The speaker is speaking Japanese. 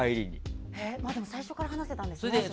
最初から話せたんですね。